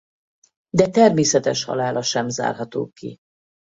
De természetes halála sem zárható ki.